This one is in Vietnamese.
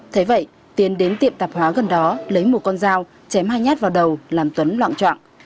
thế vậy tiến đến tiệm tạp hóa gần đó lấy một con dao chém hai nhát vào đầu làm tuấn loạn trọng